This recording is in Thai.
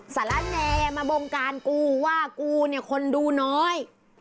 สาระแนมาบงการกูว่ากูเนี่ยคนดูน้อย